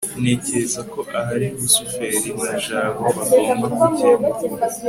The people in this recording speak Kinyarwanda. ntekereza ko ahari rusufero na jabo bagomba kugenda